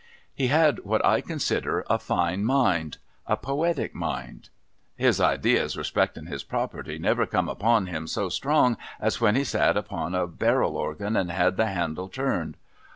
He had what I consider a fine mind — a poetic mind. His ideas respectin his property never come upon him so strong as when he sat upon a barrel organ and had the handle turned.